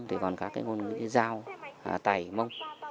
thì còn các ngôn ngữ giao tẩy mông